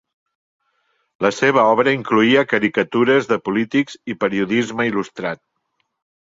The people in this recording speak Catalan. La seva obra incloïa caricatures de polítics i periodisme il·lustrat.